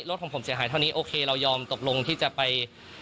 รถของผมเสียหายเท่านี้โอเคเรายอมตกลงที่จะไป